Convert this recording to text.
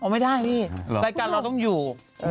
ไม่ได้พี่รายการเราต้องอยู่